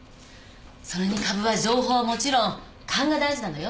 それに株は情報はもちろん勘が大事なのよ。